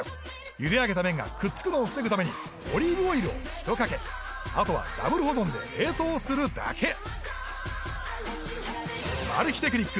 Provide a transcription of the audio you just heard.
ゆであげた麺がくっつくのを防ぐためにオリーブオイルをひとかけあとはＷ保存で冷凍するだけマル秘テクニック